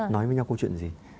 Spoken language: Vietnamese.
nói với nhau câu chuyện gì